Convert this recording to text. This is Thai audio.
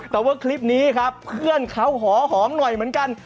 แต่ว่าคลิปนี้ครับเพื่อนเขาหอหอมหน่อยเหมือนกัน